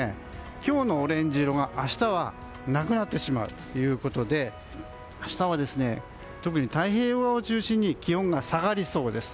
今日のオレンジ色が明日はなくなってしまうということで明日は特に太平洋側を中心に気温が下がりそうです。